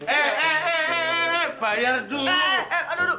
eh eh eh eh eh bayar dulu